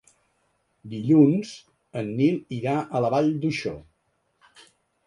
Dilluns en Nil irà a la Vall d'Uixó.